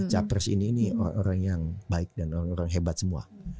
capres ini orang yang baik dan orang hebat semua